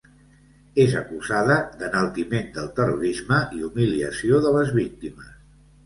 És acusada d’enaltiment del terrorisme i humiliació de les víctimes.